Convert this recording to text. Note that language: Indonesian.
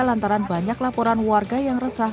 lantaran banyak laporan warga yang resah